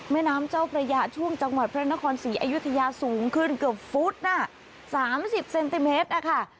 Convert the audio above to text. แม่น้ำเจ้าพระยาช่วงจังหวัดพระนครศรีอยุธยาสูงขึ้นเกือบฟุตน่ะ๓๐เซนติเมตรนะคะ